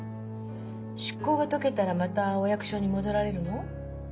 出向が解けたらまたお役所に戻られるの？